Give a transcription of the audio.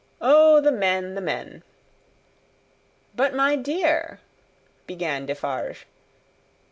"Oh, the men, the men!" "But my dear!" began Defarge.